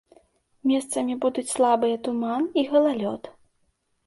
Месцамі будуць слабыя туман і галалёд.